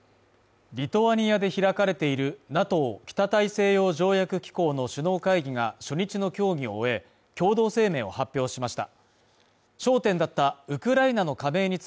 リトアニアで開かれているＮＡＴＯ＝北大西洋条約機構の首脳会議が、初日の協議を終え、共同声明を発表しました。